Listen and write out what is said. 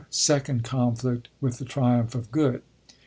Second Confiict (with the triumph of Good).